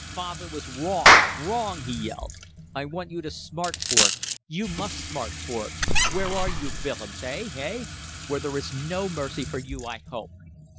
"Father was wrong wrong!" he yelled. "I want you to smart for it. You must smart for it! Where are you, Willems? Hey? ... Hey? ... Where there is no mercy for you I hope!"